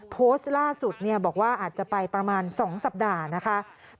โพสต์ล่าสุดบอกว่าอาจจะไปประมาณ๒สัปดาห์นะคะ